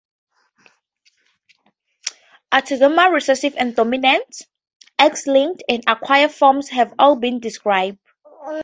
Autosomal recessive and dominant, X-linked, and acquired forms have all been described.